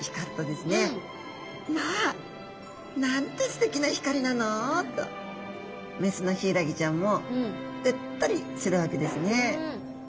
「まあなんてすてきな光なの」とメスのヒイラギちゃんもうっとりするわけですね。